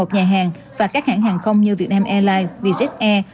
một mươi một nhà hàng và các hãng hàng không như vietnam airlines vz air